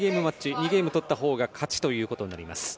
２ゲーム取ったほうが勝ちということになります。